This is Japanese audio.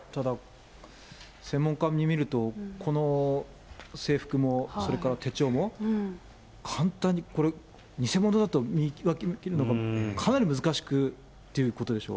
専門家が見ると、この制服も、それから手帳も、簡単に、これ、偽物だと見分けるのがかなり難しいということでしょう？